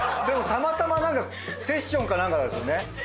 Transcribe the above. でもたまたまなんかセッションかなんかなんでしょうね。